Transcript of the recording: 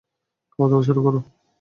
খাওয়াদাওয়া শুরু করো!